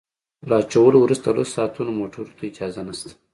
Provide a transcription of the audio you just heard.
له اچولو وروسته تر لسو ساعتونو موټرو ته اجازه نشته